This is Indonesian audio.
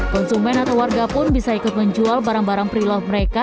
konsumen atau warga pun bisa ikut menjual barang barang pre love mereka